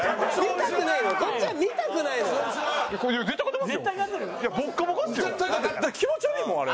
だって気持ち悪いもんあれ。